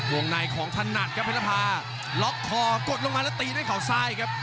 วงในของถนัดครับเพชรภาล็อกคอกดลงมาแล้วตีด้วยเขาซ้ายครับ